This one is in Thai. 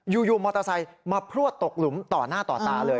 อยู่มอเตอร์ไซค์มาพลวดตกหลุมต่อหน้าต่อตาเลย